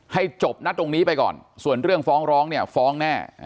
ให้จบนะตรงนี้ไปก่อนส่วนเรื่องฟ้องร้องเนี่ยฟ้องแน่